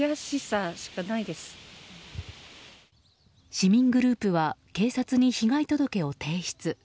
市民グループは警察に被害届を提出。